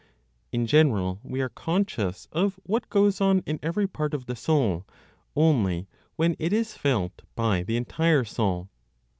In general, we are conscious of what goes on in every part of the soul only when it is felt by the entire soul.